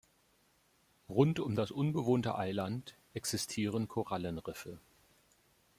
Rund um das unbewohnte Eiland existieren Korallenriffe.